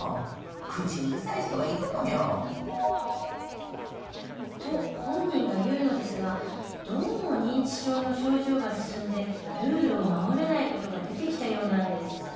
口うるさい人がいるのよ。と本人が言うのですがどうも認知症の症状が進んでルールを守れない事が出てきたようなんです。